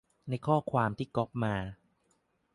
ในข้อความที่ก๊อปมา